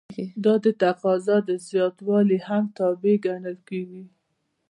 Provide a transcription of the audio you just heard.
دا د تقاضا د زیاتوالي هم تابع ګڼل کیږي.